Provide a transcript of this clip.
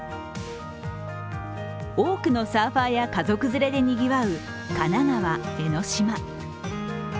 多くのサーファーや家族連れでにぎわう神奈川・江の島。